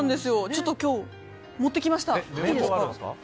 ちょっと今日持ってきました。